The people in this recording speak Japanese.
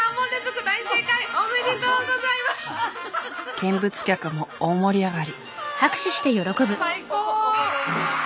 見物客も大盛り上がり。